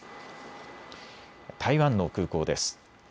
台湾の空港です。